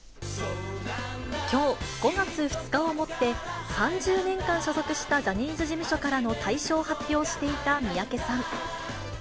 きょう５月２日をもって、３０年間所属したジャニーズ事務所からの退所を発表していた三宅さん。